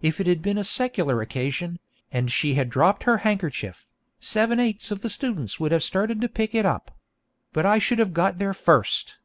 If it had been a secular occasion, and she had dropped her handkerchief, seven eighths of the students would have started to pick it up but I should have got there first!